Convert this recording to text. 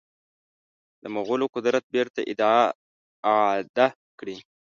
د مغولو قدرت بیرته اعاده کړي.